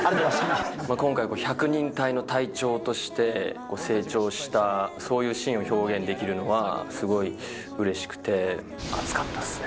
今回、百人隊の隊長として、成長したそういう信を表現できるのは、すごいうれしくて、熱かったっすね。